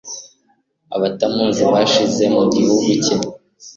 abatamuzi bashize mu gihugu cye